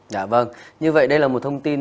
dạ vâng như vậy đây là một thông tin